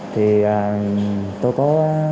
thì tôi có